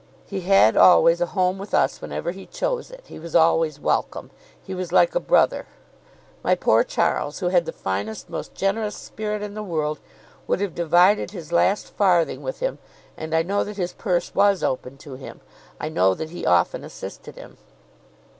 He had always a home with us whenever he chose it; he was always welcome; he was like a brother. My poor Charles, who had the finest, most generous spirit in the world, would have divided his last farthing with him; and I know that his purse was open to him; I know that he often assisted him."